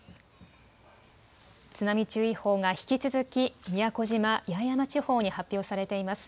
津波注意報が引き続き宮古島・八重山地方に発表されています。